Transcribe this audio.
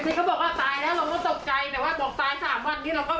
คือเขาบอกว่าตายแล้วเราก็ตกใจแต่ว่าบอกตายสามวันนี้เราก็